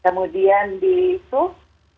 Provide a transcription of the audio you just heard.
kemudian di sup